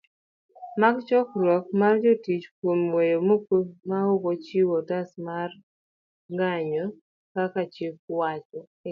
mag chokruok mar jotich kuom weyo maokochiwo otas marng'anyo kaka chik wacho